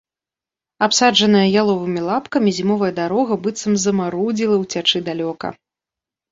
Абсаджаная яловымі лапкамі зімовая дарога быццам замарудзіла ўцячы далёка.